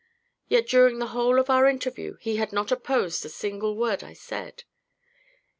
Yet during the whole of our interview he had not opposed a single word I said.